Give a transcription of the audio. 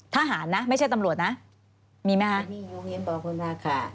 ทหารนะไม่ใช่ตำรวจนะมีไหมคะ